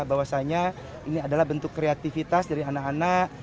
bahwasanya ini adalah bentuk kreativitas dari anak anak